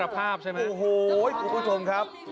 พี่กุโจมครับ